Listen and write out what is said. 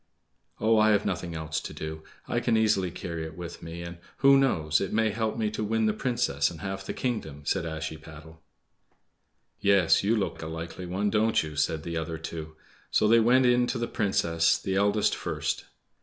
"Oh, I have nothing else to do. I can easily carry it with me, and—who knows?—it may help me to win the Princess and half the kingdom," said Ashiepattle. "Yes, you look a likely one, don't you?" said the other two. So they went in to the Princess, the eldest first.